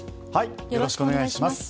よろしくお願いします。